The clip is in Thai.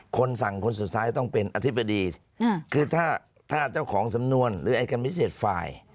คนสั่งคนสุดท้ายต้องเป็นอธิบดีคือถ้าเจ้าของสำนวนหรืออายการพิเศษฝ่าย